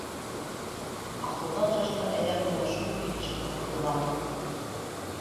Аҡылдан шашҡан әҙәм уны шул килеш мыҫҡылланы